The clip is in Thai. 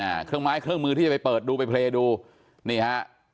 อ่าเครื่องไม้เครื่องมือที่จะไปเปิดดูไปเพลย์ดูนี่ฮะ